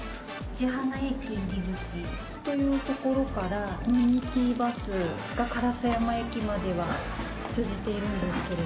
市塙駅入口というところからコミュニティバスが烏山駅までは通じているんですけれども。